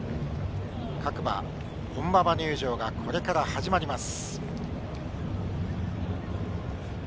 各馬、本馬場入場がこれから始まります。